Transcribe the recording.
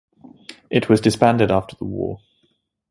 It was disbanded after the war.